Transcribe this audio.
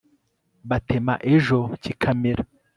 batema ejo kikamera